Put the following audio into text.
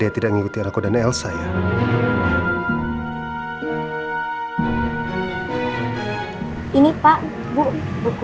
selamat datang di degala restoran bapak ibu